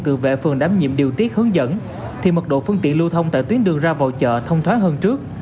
trong việc điều tiết hướng dẫn thì mật độ phương tiện lưu thông tại tuyến đường ra vào chợ thông thoát hơn trước